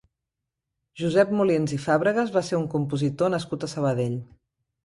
Josep Molins i Fàbregas va ser un compositor nascut a Sabadell.